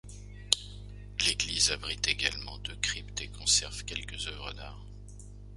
L'église abrite également deux cryptes et conserve quelques œuvres d'art.